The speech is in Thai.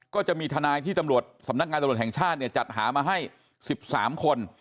ก็จะมีทนายที่ตำรวจสำนักงานตำรวจแห่งชาติเนี่ยจัดหามาให้๑๓คน